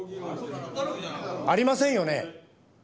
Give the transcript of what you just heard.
ありませんよね？